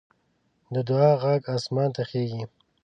د دعا غږ اسمان ته خېژي